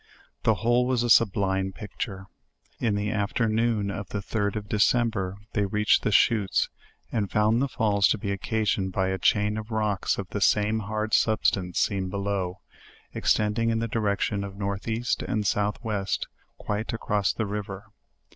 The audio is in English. The whole was a sublime picture. In the afternoon of the '3d of December, they reached the Chuttes, and found the falls to be occasioned by n chain of rocks of the same hard substance seen below, ex tending in the direction of north east and south west, quite across the river.